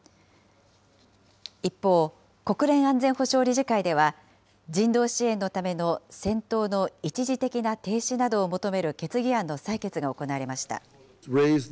一方、国連安全保障理事会では、人道支援のための戦闘の一時的な停止などを求める決議案の採決が行われました。